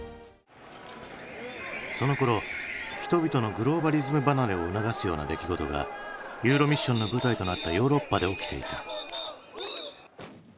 そのころ人々のグローバリズム離れを促すような出来事が「ＥＵＲＯＭＩＳＳＩＯＮ」の舞台となったヨーロッパで起きていた。